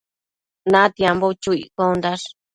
Natiambo chu iccondash